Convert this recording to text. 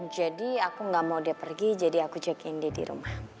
jadi aku gak mau dia pergi jadi aku jagain dia di rumah